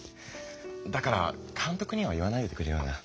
だからかんとくには言わないでくれよな。